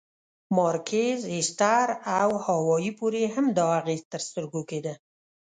مارکیز، ایستر او هاوایي پورې هم دا اغېز تر سترګو کېده.